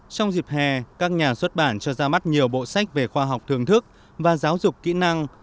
trong dịp hè các nhà xuất bản cho ra mắt nhiều bộ sách về khoa học thưởng thức và giáo dục kỹ năng